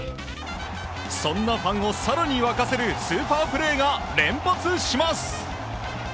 そんなファンをさらに沸かせるスーパープレーが連発します。